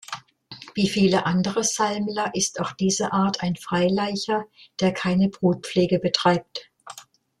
Wie viele andere Salmler ist auch diese Art ein Freilaicher, der keine Brutpflege betreibt.